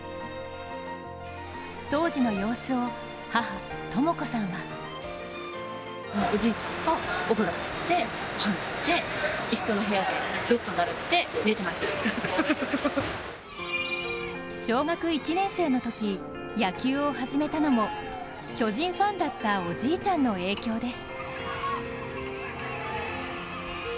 当時の様子を母・智子さんは小学１年生のとき野球を始めたのも巨人ファンだったおじいちゃんの影響です。